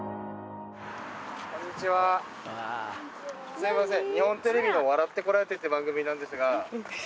すいません。